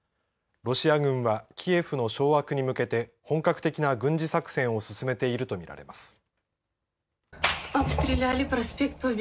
ロシア軍はキエフの掌握に向けて本格的な軍事作戦を進めているとみられます。